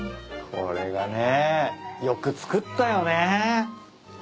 これがねよく造ったよね。